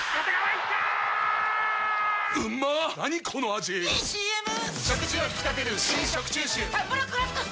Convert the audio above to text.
⁉いいＣＭ！！